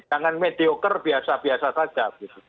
jangan mediocar biasa biasa saja